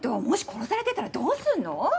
もし殺されてたらどうするの？